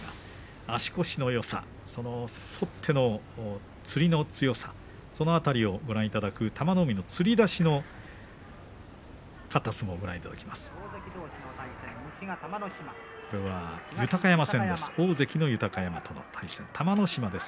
足腰のよさ、そして、つりの強さその辺りをご覧いただく玉の海のつり出しで勝った相撲です。